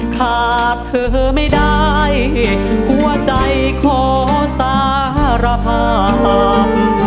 ขาดเผื่อไม่ได้หัวใจโขสารพาม